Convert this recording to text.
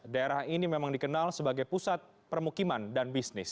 daerah ini memang dikenal sebagai pusat permukiman dan bisnis